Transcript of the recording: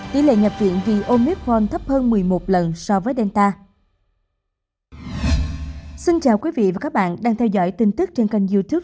tỷ lệ nhập viện vì ôn biết khoan thấp hơn một mươi một lần so với delta